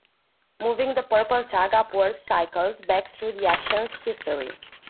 Moving the purple tag upwards cycles back through the actions history.